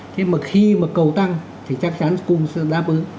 thế mà khi mà cầu tăng thì chắc chắn cùng sẽ đáp ứng